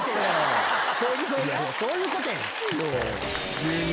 どういうことやねん！